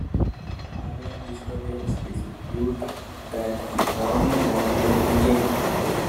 Other historians dispute that the Romans landed in Kent.